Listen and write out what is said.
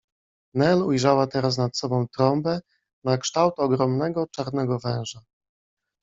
Nel ujrzała teraz nad sobą trąbę, na kształt ogromnego czarnego węża.